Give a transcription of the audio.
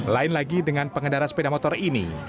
lain lagi dengan pengendara sepeda motor ini